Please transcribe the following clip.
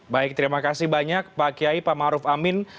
baik terima kasih banyak pak kiai pak maruf amin